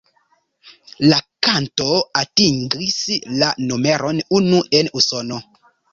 La kanto atingis la numeron unu en Usono.